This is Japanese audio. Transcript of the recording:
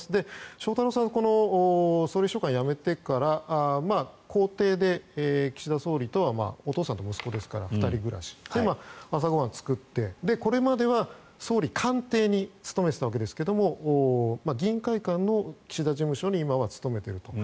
翔太郎さん総理秘書官辞めてから公邸で、岸田総理とはお父さんと息子ですから２人暮らしで、朝ご飯を作ってこれまでは総理官邸に勤めていたわけですが議員会館の岸田事務所に今は勤めていると。